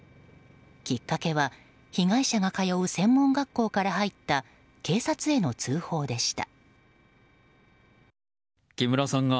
きっかけは被害者が通う専門学校から入った警察への通報でした。